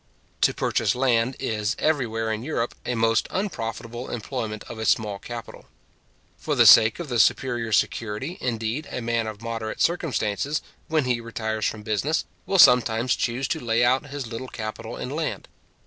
To purchase land, is, everywhere in Europe, a most unprofitable employment of a small capital. For the sake of the superior security, indeed, a man of moderate circumstances, when he retires from business, will sometimes choose to lay out his little capital in land.